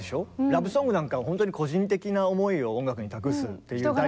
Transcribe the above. ラブソングなんかは本当に個人的な思いを音楽に託すっていう代表。